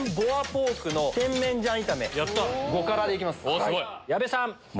５辛でいきます。